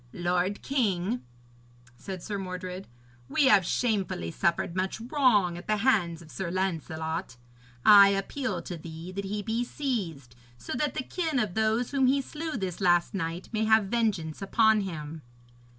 'Lord king,' said Sir Mordred, 'we have shamefully suffered much wrong at the hands of Sir Lancelot. I appeal to thee that he be seized, so that the kin of those whom he slew this last night may have vengeance upon him.'